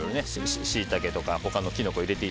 シイタケとか他のキノコでも。